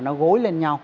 nó gối lên nhau